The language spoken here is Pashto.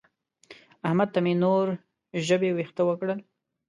احمد ته مې نور ژبې وېښته وکړل.